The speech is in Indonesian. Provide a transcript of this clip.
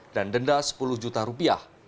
dan denda sepuluh juta rupiah